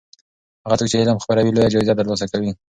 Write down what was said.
هغه څوک چې علم خپروي لویه جایزه ترلاسه کوي.